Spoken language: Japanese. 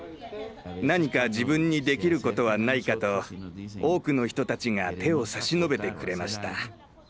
何か自分にできることはないかと多くの人たちが手を差し伸べてくれました。